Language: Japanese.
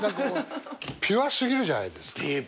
ピュア過ぎるじゃないですか。